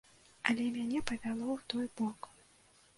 Але мяне павяло ў той бок.